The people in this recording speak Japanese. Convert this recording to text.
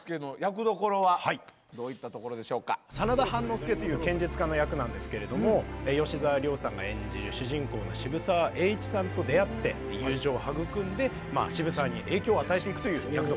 助という剣術家の役なんですけれども吉沢亮さんが演じる主人公の渋沢栄一さんと出会って友情を育んで渋沢に影響を与えていくという役どころになってます。